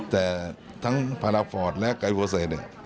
แต่ทั้งพลาคอทและไกลโฟเซต